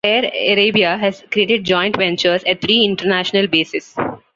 Air Arabia has created joint ventures at three international bases.